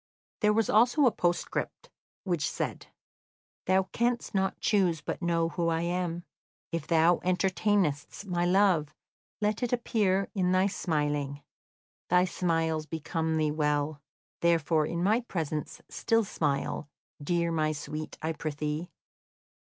There was also a postscript, which said: "Thou canst not choose but know who I am. If thou entertainest my love, let it appear in thy smiling. Thy smiles become thee well, therefore in my presence still smile, dear my sweet, I prithee."